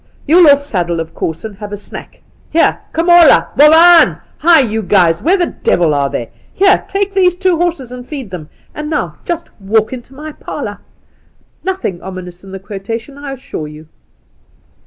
You'll off saddle, of course, and have a" snack. Here, Komola ! Bovaan ! Hi, you boys ! Where the devil are they ? Here, take these horses and feed them. And now just ' walk into my parlour.' Nothing ominous in the quotation, I assure you."